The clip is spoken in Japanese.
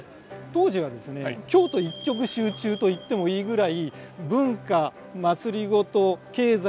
当時はですね京都一極集中と言ってもいいぐらい文化まつりごと経済